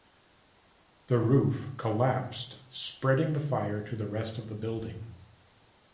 The roof collapsed spreading the fire to the rest of the building.